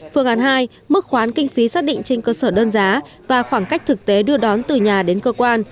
phương án hai mức khoán kinh phí xác định trên cơ sở đơn giá và khoảng cách thực tế đưa đón từ nhà đến cơ quan